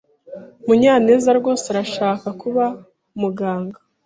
Munyanez rwose arashaka kuba umuganga.